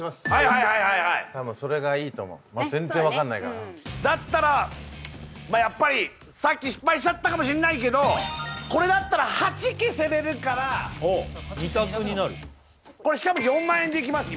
はいはいはいそれがいいと思う全然分かんないからだったらまあやっぱりさっき失敗しちゃったかもしんないけどこれだったら８消せれるからおお２択になるこれしかも４万円でできます